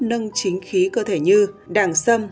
nâng chính khí cơ thể như đàng sâm